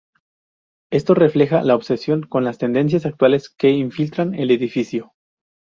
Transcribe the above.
Esto refleja la obsesión con las tendencias actuales que infiltran el edificio.